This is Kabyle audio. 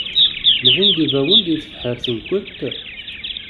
Mɣin-d ibawen deg tebḥirt-nkent?